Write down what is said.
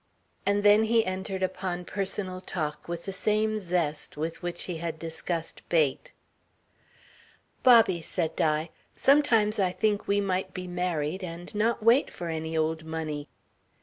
And then he entered upon personal talk with the same zest with which he had discussed bait. "Bobby," said Di, "sometimes I think we might be married, and not wait for any old money."